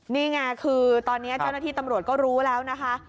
นี่ไงคือตอนนี้เจ้าหน้าที่ตำรวจก็รู้แล้วนะคะ